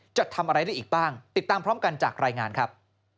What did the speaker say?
จะทำอะไรได้อีกบ้างติดตามพร้อมกันจากรายงานครับ